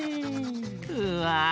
うわ！